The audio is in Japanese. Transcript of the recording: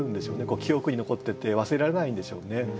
記憶に残ってて忘れられないんでしょうね。